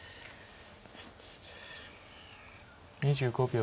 ２５秒。